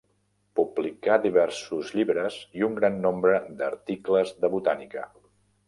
Publicà diversos llibres i un gran nombre d'article de botànica.